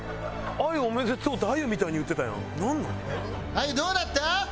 あゆどうだった？